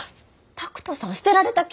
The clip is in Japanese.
拓門さん捨てられた系？